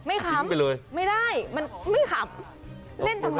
ไม่ขำไม่ได้มันไม่ขำเล่นทำไม